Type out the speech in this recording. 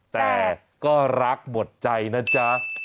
แต่ก็รักหมดใจนะจ๊ะ